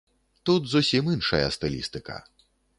Тут зусім іншая стылістыка.